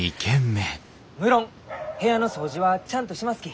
無論部屋の掃除はちゃんとしますき。